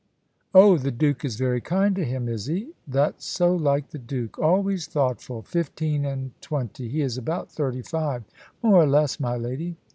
"Oh, the Duke is very kind to him, is he? That's so like the Duke. Always thoughtful. Fifteen and twenty he is about thirty five." "More or less, my lady."